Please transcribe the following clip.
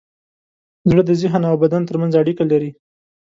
زړه د ذهن او بدن ترمنځ اړیکه لري.